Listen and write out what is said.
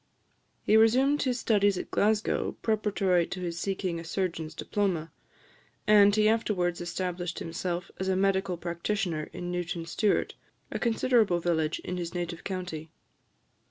He resumed his studies at Glasgow preparatory to his seeking a surgeon's diploma; and he afterwards established himself as a medical practitioner in Newton Stewart, a considerable village in his native county.